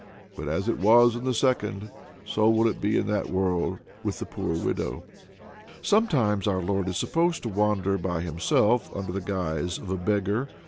But as it was in the second well, so will it be in that world with the poor widow!" Sometimes our Lord is supposed to wander by himself, under the guise of a beggar.